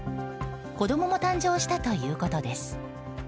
子供も誕生したということです。